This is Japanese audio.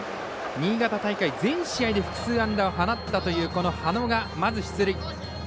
新潟大会、全試合で複数安打を放ったという土野がまず出塁。